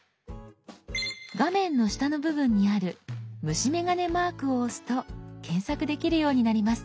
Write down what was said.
画面の下の部分にある虫眼鏡マークを押すと検索できるようになります。